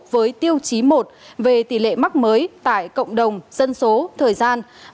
với tiêu chí một về tỷ lệ mắc mới tại cộng đồng dân số thời gian